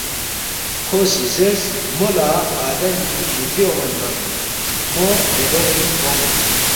کھو سی زیرس، ”مو لہ آدمی می تری اون٘ید ننگ مو مے دونِ٘نگ فونگ